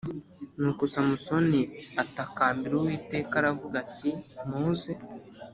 Nuko Samusoni atakambira Uwiteka aravuga ati muze